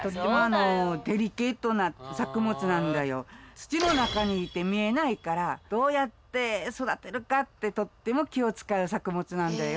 土の中にいて見えないからどうやって育てるかってとっても気を使う作物なんだよ。